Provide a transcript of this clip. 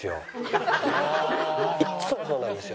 いつもそうなんですよ。